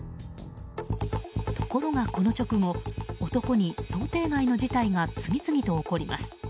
ところが、このあと男に想定外の事態が次々と起こります。